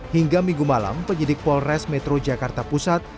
hingga minggu malam penyidik polres metro jakarta pusat